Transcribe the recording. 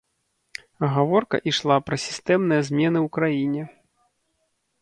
Гаворка ішла пра сістэмныя змены ў краіне.